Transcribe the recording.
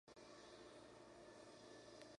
De hecho, era el único proyecto ejecutivo completado.